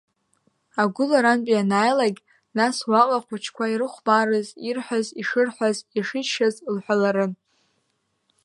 Агәыларантәи ианааилак, нас уаҟа ахәыҷқәа ирыхәмарыз, ирҳәаз, ишырҳәаз, ишыччаз лҳәаларын.